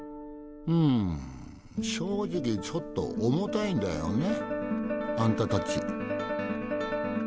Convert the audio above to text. うん正直ちょっと重たいんだよねあんたたち。